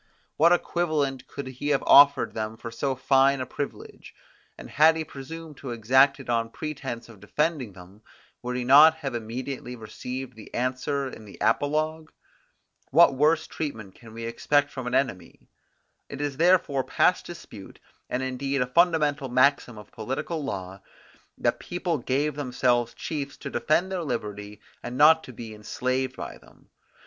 What equivalent could he have offered them for so fine a privilege? And had he presumed to exact it on pretense of defending them, would he not have immediately received the answer in the apologue? What worse treatment can we expect from an enemy? It is therefore past dispute, and indeed a fundamental maxim of political law, that people gave themselves chiefs to defend their liberty and not be enslaved by them.